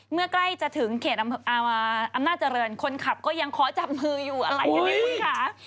เมื่อกล้ายจะถึงเขตอำนาจรรย์คนขับก็ยังขอจับมืออยู่อะไรอย่างนี้ค่ะ